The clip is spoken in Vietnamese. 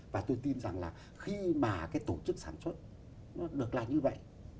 và tôi tin rằng là khi mà cái tổ chức sản xuất nó được là như vậy